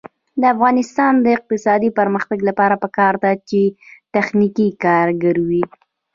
د افغانستان د اقتصادي پرمختګ لپاره پکار ده چې تخنیکي کارګر وي.